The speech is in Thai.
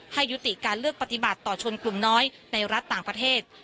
ให้ยุติการเลือกปฏิบัติต่อชนกลุ่มน้อยในรัฐต่างประเทศ